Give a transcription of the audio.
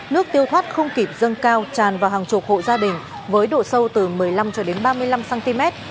nước tiêu thoát không kịp dâng cao tràn vào hàng chục hộ gia đình với độ sâu từ một mươi năm ba mươi năm cm